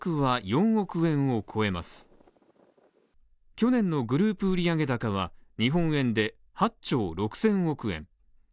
去年のグループ売上高は日本円で８兆６０００億円。